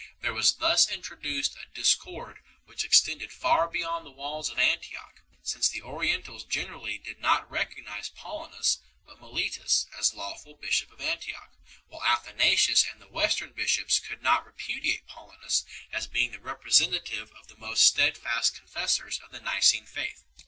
There was thus introduced a discord which extended far beyond the walls of Antioch, since the Orientals generally did not recognize Paulinus, but Mele tius, as lawful bishop of Antioch, while Athanasius and the Western bishops could not repudiate Paulinus, as being the representative of the most steadfast confessors of the Nicene Faith.